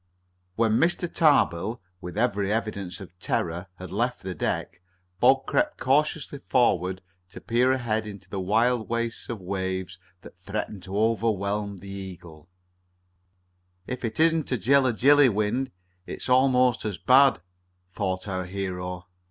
When Mr. Tar bill, with every evidence of terror, had left the deck, Bob crept cautiously forward to peer ahead into the wild waste of waves that threatened to overwhelm the Eagle. "If it isn't a Jilla Jilly wind, it's almost as bad," thought our hero.